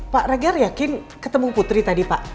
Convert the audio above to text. pak rager yakin ketemu putri tadi pak